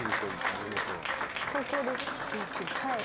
地元は。